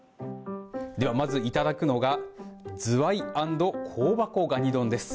まず、いただくのがズワイ＆香箱蟹丼です。